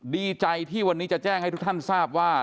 ดีใจที่วันนี้จะแจ้งให้ทุกท่านทราบว่า